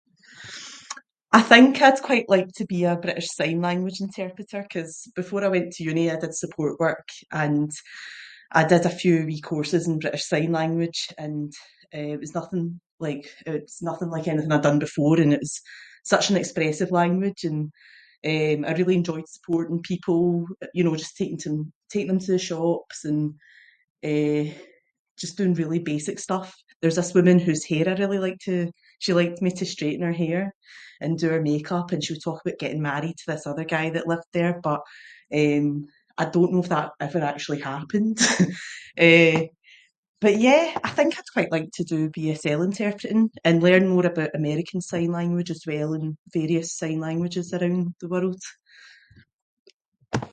I think I'd quite like to be a British Sign Language interpreter, 'cause before I went to uni, I did support work and I did a few wee courses in British Sign Language and eh it was nothing like- it was nothing like anything I'd done before, and it was such an expressive language and eh I really enjoyed supporting people. You know just taking them t- taking them to the shops, and eh just doing really basic stuff. There's this woman whose hair I'd really like to- she liked me to straighten her hair and do her make up, and she'd talk about getting married to this other guy that lived there but, eh, I don't know if that ever actually happened Eh, but yeah, I think I'd quite like to do BSL interpreting and learn more aboot American sign language as well, and various sign languages around the world.